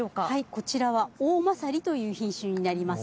こちらはおおまさりという品種になります。